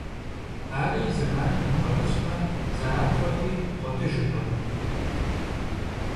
Ари и зэманым умыгъэтӀылъмэ, зэрапхъуэрти бгъуэтыжыртэкъым.